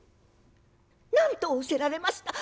「何と仰せられました？